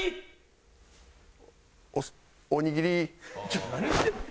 ちょっと何してんの！